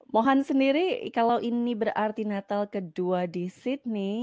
mohan sendiri kalau ini berarti natal kedua di sydney